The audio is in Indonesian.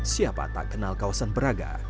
siapa tak kenal kawasan braga